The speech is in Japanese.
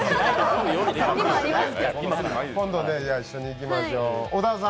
じゃぁ、今度、一緒に行きましょう。